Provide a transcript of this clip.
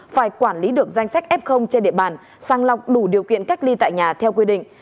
phải quản lý được danh sách f trên địa bàn sang lọc đủ điều kiện cách ly tại nhà theo quy định